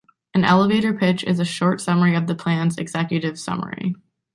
An "elevator pitch" is a short summary of the plan's executive summary.